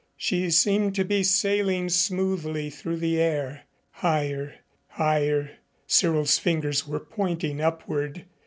She seemed to be sailing smoothly through the air higher, higher Cyril's fingers were pointing upward.